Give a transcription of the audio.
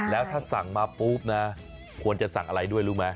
แล้วถ้าสั่งมาปุ๊บนะควรจะสั่งอะไรด้วยรู้ไหม